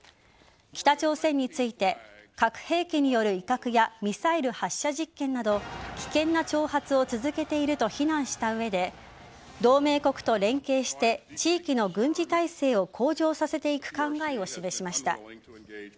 北朝鮮について核兵器による威嚇やミサイル発射実験など危険な挑発を続けていると非難した上で同盟国と連携して地域の軍事態勢を向上させていく考えを示しました。